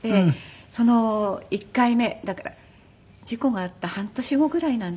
その１回目だから事故があった半年後ぐらいなんですけど。